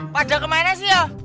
pada kemana sih ya